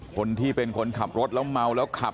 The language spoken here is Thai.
คนที่เป็นคนขับรถแล้วเมาแล้วขับ